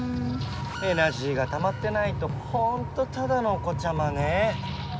エナジーがたまってないとほんとただのお子ちゃまね。